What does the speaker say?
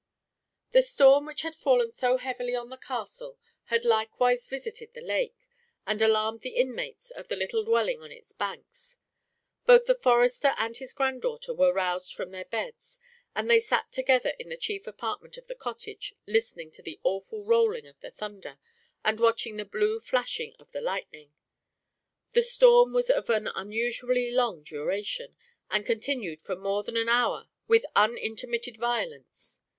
THE storm which had fallen so heavily on the castle had likewise visited the lake, and alarmed the inmates of the little dwelling on its banks. Both the forester and his grand daughter were roused from their beds, and they sat together in the chief apartment of the cottage, listening to the awful rolling of the thunder, and watching the blue flashing of the lightning. The storm was of unusually long duration, and continued for more than an hour with unintermitted violence.